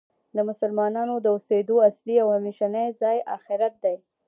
د مسلمانانو د اوسیدو اصلی او همیشنی ځای آخرت دی .